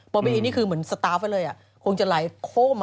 เป็นคนสตาลก็เลยคงจะไหลโค้ม